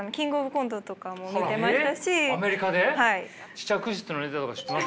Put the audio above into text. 試着室のネタとか知ってます？